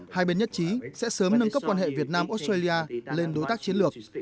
hai bên nhất trí sẽ sớm nâng cấp quan hệ việt nam australia lên đối tác chiến lược